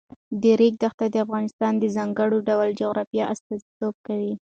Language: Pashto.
د ریګ دښتې د افغانستان د ځانګړي ډول جغرافیه استازیتوب کوي.